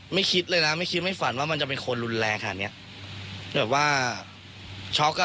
คิดเลยนะไม่คิดไม่ฝันว่ามันจะเป็นคนรุนแรงขนาดเนี้ยแบบว่าช็อกอ่ะ